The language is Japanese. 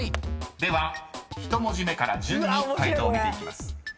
［では１文字目から順に解答を見ていきます］